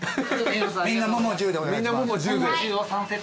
みんなもも１０で。